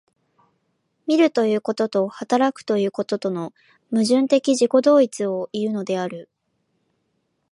見るということと働くということとの矛盾的自己同一をいうのである。